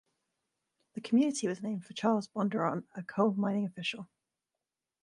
The community was named for Charles Bondurant, a coal mining official.